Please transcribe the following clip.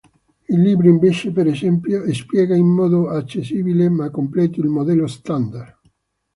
Il libro invece, per esempio, spiega in modo accessibile ma completo il Modello Standard.